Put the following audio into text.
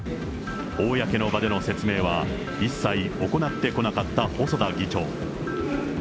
公の場での説明は、一切行ってこなかった細田議長。